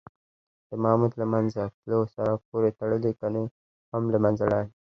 د ماموت له منځه تلو سره پورې تړلي کنې هم له منځه لاړې.